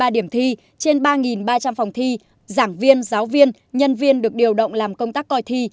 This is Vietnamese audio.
một trăm hai mươi ba điểm thi trên ba ba trăm linh phòng thi giảng viên giáo viên nhân viên được điều động làm công tác coi thi